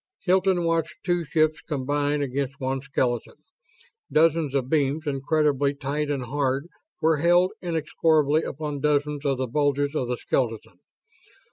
Hilton watched two ships combine against one skeleton. Dozens of beams, incredibly tight and hard, were held inexorably upon dozens of the bulges of the skeleton.